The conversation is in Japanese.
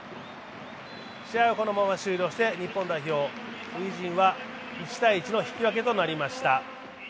試合はこのまま終了して、日本代表初陣は１−１の引き分けとなりました